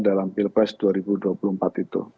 dalam pilpres dua ribu dua puluh empat itu